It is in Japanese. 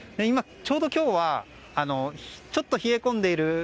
ちょうど今日はちょっと冷え込んでいる。